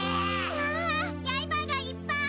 わヤイバーがいっぱい！